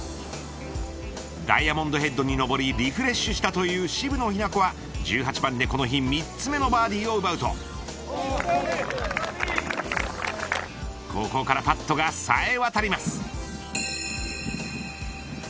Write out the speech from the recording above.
ダイヤモンドヘッドに登りリフレッシュしたという渋野日向子は１８番でこの日、３つ目のバーディーを奪うとここからパットがさえ渡ります。